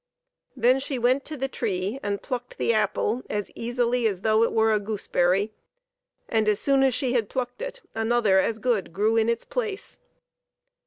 Then she went to the tree and plucked the apple as easily as though it were a goose berry, and as soon' as she had plucked it another as good grew in its place.